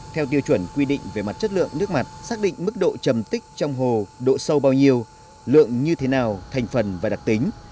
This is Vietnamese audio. theo tiêu chuẩn quy định về mặt chất lượng nước mặt xác định mức độ trầm tích trong hồ độ sâu bao nhiêu lượng như thế nào thành phần và đặc tính